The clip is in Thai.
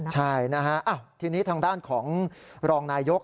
ใช่นะฮะทีนี้ทางด้านของรองนายก